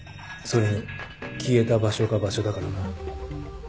それに消えた場所が場所だからな。